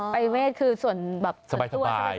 ปลายเวทคือส่วนสบาย